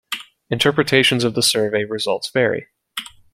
Interpretations of the survey results vary.